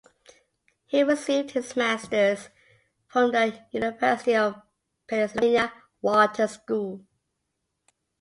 He received his masters from the University of Pennsylvania Wharton School.